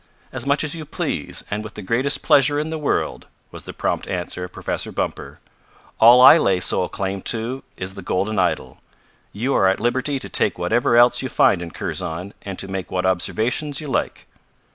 "As much as you please, and with the greatest pleasure in the world," was the prompt answer of Professor Bumper. "All I lay sole claim to is the golden idol. You are at liberty to take whatever else you find in Kurzon and to make what observations you like."